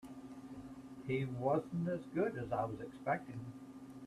He wasn't as good as I was expecting.